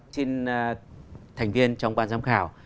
xin thành viên trong quan giám khảo